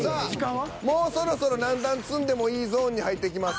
もうそろそろ何段積んでもいいゾーンに入ってきます。